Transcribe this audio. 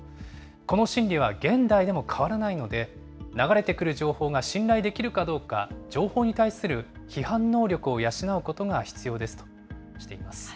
この心理は現代でも変わらないので、流れてくる情報が信頼できるかどうか、情報に対する批判能力を養うことが必要ですとしています。